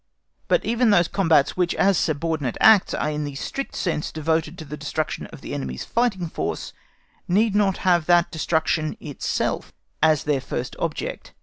But even those combats which, as subordinate acts, are in the strict sense devoted to the destruction of the enemy's fighting force need not have that destruction itself as their first object.